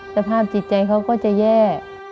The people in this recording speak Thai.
สภาพจิตใจเขาก็จะแย่